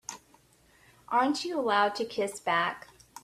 Aren't you allowed to kiss back?